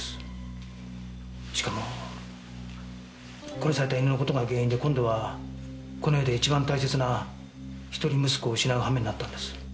しかも殺された犬の事が原因で今度はこの世で一番大切な一人息子を失うはめになったんです。